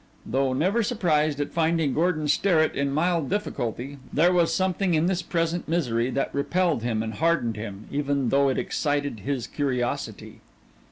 Though never surprised at finding Gordon Sterrett in mild difficulty, there was something in this present misery that repelled him and hardened him, even though it excited his curiosity.